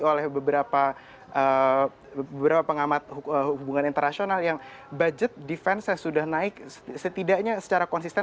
oleh beberapa pengamat hubungan internasional yang budget defense nya sudah naik setidaknya secara konsisten